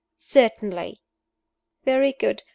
"Certainly!" "Very good.